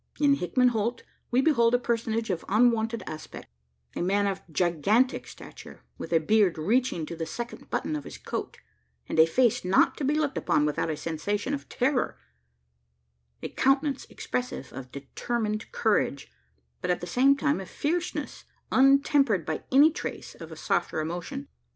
In Hickman Holt we behold a personage of unwonted aspect: a man of gigantic stature, with a beard reaching to the second button of his coat, and a face not to be looked upon without a sensation of terror a countenance expressive of determined courage, but at the same time of fierceness, untempered by any trace of a softer emotion.